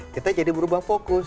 kita jadi berubah fokus